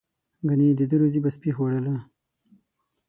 ګنې د ده روزي به سپي خوړله.